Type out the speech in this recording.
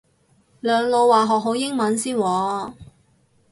兩老話學好英文先喎